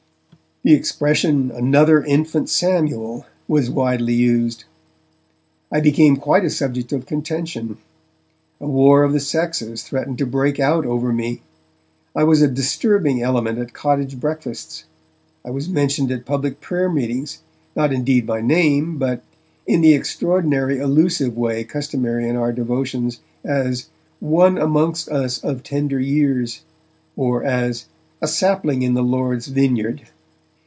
The expression 'another Infant Samuel' was widely used. I became quite a subject of contention. A war of the sexes threatened to break out over me; I was a disturbing element at cottage breakfasts. I was mentioned at public prayer meetings, not indeed by name but, in the extraordinary allusive way customary in our devotions, as 'one amongst us of tender years' or as 'a sapling in the Lord's vineyard'.